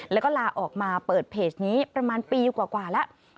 แล้วก็ลาออกมาเปิดเพจนี้ประมาณปีกว่าแล้ว